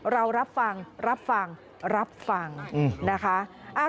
เรารับฟังรับฟังรับฟังนะคะ